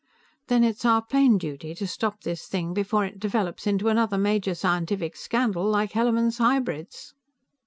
"Then it's our plain duty to stop this thing before it develops into another major scientific scandal like Hellermann's hybrids."